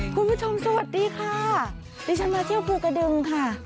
คุณผู้ชมสวัสดีค่ะดิฉันมาเที่ยวภูกระดึงค่ะ